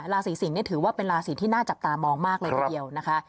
ราศีสิงศ์ถือว่าเป็นราศีที่น่าจับตามองมากเลยทีเดียวนะคะ